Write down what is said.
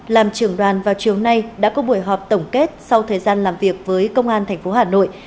làm trưởng đoàn vào chiều nay đã có buổi họp tổng kết sau thời gian làm việc với công an tp hà nội